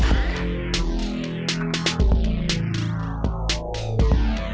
satu misi sedang berakhir